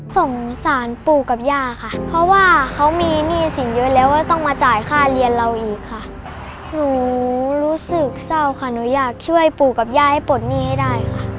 สงสารปู่กับย่าค่ะเพราะว่าเขามีหนี้สินเยอะแล้วก็ต้องมาจ่ายค่าเรียนเราอีกค่ะหนูรู้สึกเศร้าค่ะหนูอยากช่วยปู่กับย่าให้ปลดหนี้ให้ได้ค่ะ